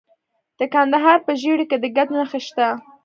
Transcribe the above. د کندهار په ژیړۍ کې د ګچ نښې شته.